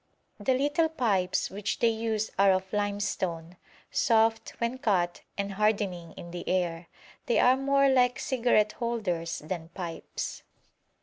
The little pipes which they use are of limestone, soft when cut and hardening in the air. They are more like cigarette holders than pipes.